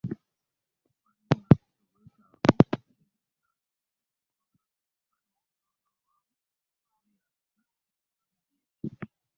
Waliwo obwetaavu okutereeza engeri ensonga z'ettaka gye zirondoolwa nga beeyambisa Tekinologiya